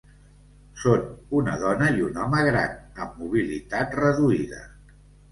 Són una dona i un home gran amb mobilitat reduïda.